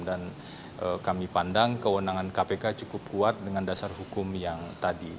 dan kami pandang kewenangan kpk cukup kuat dengan dasar hukum yang tersebut